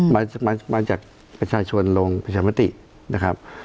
มาจากประชาชนลงประชามตินะครับ